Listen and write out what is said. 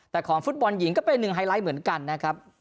แต่ของฟุตบอลหญิงก็เป็นหนึ่งไฮไลท์เหมือนกันนะครับ